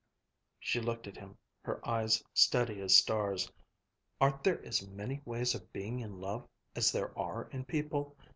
She looked at him, her eyes steady as stars. "Aren't there as many ways of being in love, as there are people?"